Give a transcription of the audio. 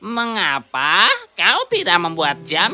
mengapa kau tidak membuat jam